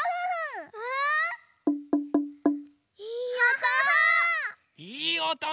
いいおと！